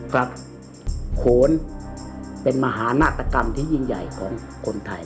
กับโขนเป็นมหานาฏกรรมที่ยิ่งใหญ่ของคนไทย